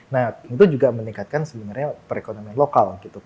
nah itu juga meningkatkan sebenarnya perekonomian lokal